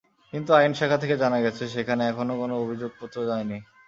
কিন্তু আইন শাখা থেকে জানা গেছে, সেখানে এখনো কোনো অভিযোগপত্র যায়নি।